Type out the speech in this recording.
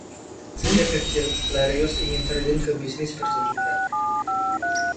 Sejak kecil, Larios ingin terjun ke bisnis pertunjukan.